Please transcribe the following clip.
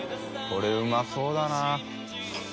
海うまそうだな。